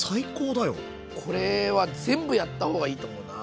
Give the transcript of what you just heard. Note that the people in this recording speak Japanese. これは全部やった方がいいと思うな。